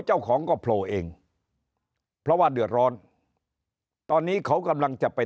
เจ้าของก็โผล่เองเพราะว่าเดือดร้อนตอนนี้เขากำลังจะไป